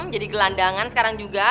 jadi gelandangan sekarang juga